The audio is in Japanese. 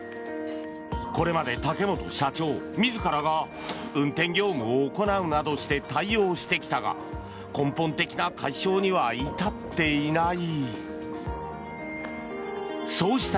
これまで竹本社長自らが運転業務を行うなどして対応してきたが根本的な解消には至っていない。